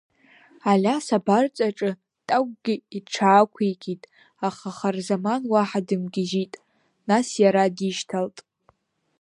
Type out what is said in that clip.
Алиас абарҵаҿы такәгьы иҽаақәикит, аха Харзаман уаҳа дымгьыжьит, нас иара дишьҭалт.